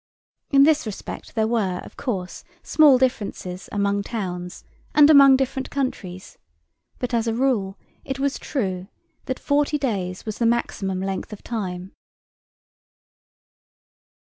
In this respect, there were, of course, small differences among different towns and among different countries, but as a rule it was true that forty days was the maximum length of time.